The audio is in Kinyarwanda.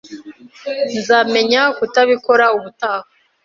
Nzamenya kutabikora ubutaha.